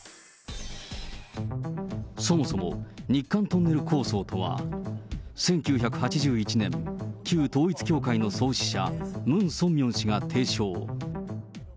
そもそも日韓トンネル構想とは、１９８１年、旧統一教会の創始者、ムン・ソンミョン氏が提唱。